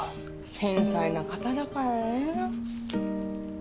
繊細な方だからね。